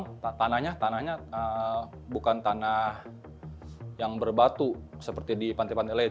jadi di pantai karawang tanahnya bukan tanah yang berbatu seperti di pantai pantai lain